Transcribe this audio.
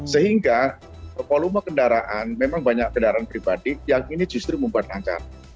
sehingga volume kendaraan memang banyak kendaraan pribadi yang ini justru membuat angka